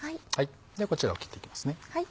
ではこちらを切っていきますね。